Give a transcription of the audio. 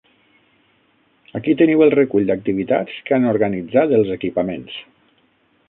Aquí teniu el recull d'activitats que han organitzat els equipaments.